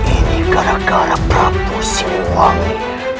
ini gara gara prabu similwangi